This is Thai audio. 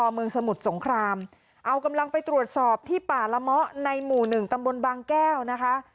เมืองสมุทรสงครามเอากำลังไปตรวจสอบที่ป่าละเมาะในหมู่หนึ่งตำบลบางแก้วนะคะ